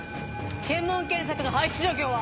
検問検索の配置状況は？